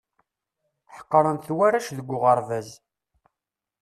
Ḥeqren-t warrac deg uɣerbaz.